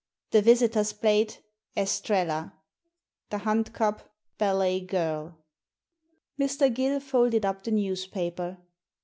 The Visitors' Plate— Estrella. The Hunt Cup— Ballet GirL" Mr. Gill folded up the newspaper.